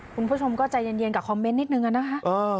คุณผู้ชมก็ใจเย็นกับคอมเมนต์นิดนึงอะนะคะ